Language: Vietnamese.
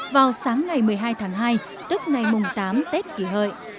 vào sáng ngày một mươi hai tháng hai tức ngày mùng tám tết kỷ hợi